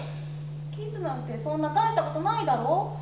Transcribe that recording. キスなんてそんな大したことないだろう。